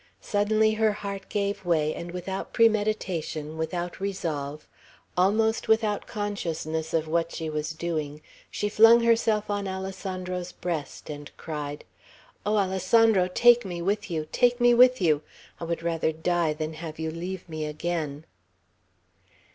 Suddenly her heart gave way; and without premeditation, without resolve, almost without consciousness of what she was doing, she flung herself on Alessandro's breast, and cried: "Oh, Alessandro, take me with you! take me with you! I would rather die than have you leave me again!"